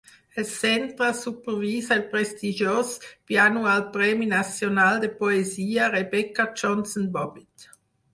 El centre supervisa el prestigiós bianual Premi nacional de poesia Rebekah Johnson Bobbitt.